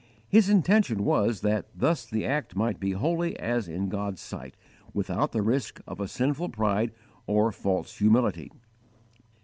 His intention was, that thus the act might be wholly as in God's sight, without the risk of a sinful pride or false humility.